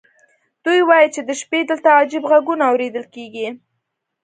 دوی وایي چې د شپې دلته عجیب غږونه اورېدل کېږي.